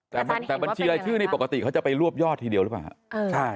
แต่บัญชีรายชื่อนี่ปกติเขาจะไปรวบยอดทีเดียวหรือเปล่าฮะ